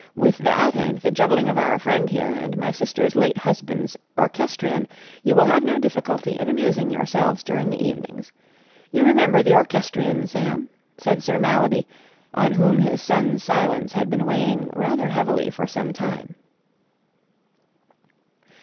With that and the juggling of our friend here and my sister's late husband's orchestrion, you will have no difficulty in amusing yourselves during the evenings. You remember the orchestrion, Sam?" said Sir Mallaby, on whom his son's silence had been weighing rather heavily for some time.